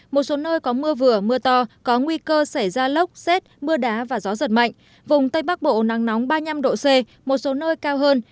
một số nơi có mưa vừa mưa to có nguy cơ xảy ra lốc xét mưa đá và gió giật mạnh vùng tây bắc bộ nắng nóng ba mươi năm độ c một số nơi cao hơn